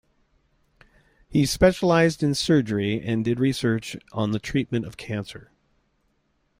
He specialised in surgery and did research on the treatment of cancer.